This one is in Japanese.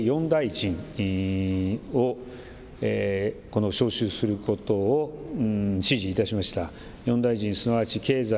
４大臣を召集することを指示いたしました。